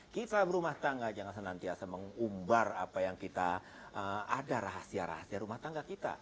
kita berumah tangga jangan senantiasa mengumbar apa yang kita ada rahasia rahasia rumah tangga kita